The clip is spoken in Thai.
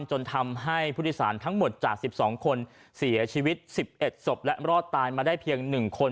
จนทำให้ผู้โดยสารทั้งหมดจาก๑๒คนเสียชีวิต๑๑ศพและรอดตายมาได้เพียง๑คน